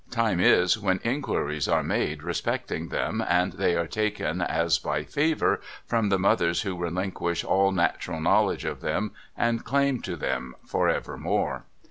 Time is, when inquiries are made respecting them, and they are taken as by favour from the mothers who relinquish all natural knowledge of them and claim to them for evermore.